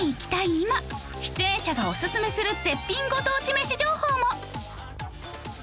今出演者がオススメする絶品ご当地めし情報も！